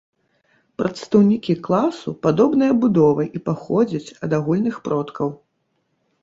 Прадстаўнікі класу падобныя будовай і паходзяць ад агульных продкаў.